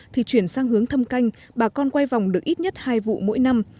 thì chuyển sang hướng thâm canh bà con quay vòng được ít nhất hai vụ mỗi năm